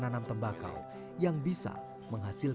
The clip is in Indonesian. alam lapa bahkan dalam tangga ini